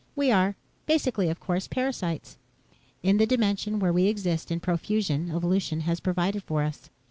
We are, basically of course, parasites. In the dimension where we exist in profusion, evolution has provided for us.